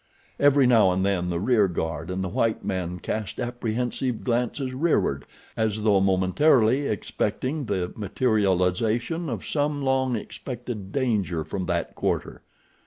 Every now and then the rear guard and the white men cast apprehensive glances rearward as though momentarily expecting the materialization of some long expected danger from that quarter.